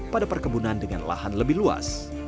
pada perkebunan dengan lahan lebih luas